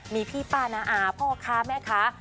มีพี่ป้าน้าอาพ่อค้าแม่ค้า